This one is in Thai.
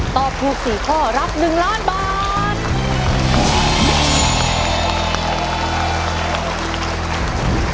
ตอบถูก๔ข้อรับ๑ล้านบาท